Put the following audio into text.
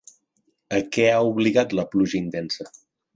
A què ha obligat la pluja intensa?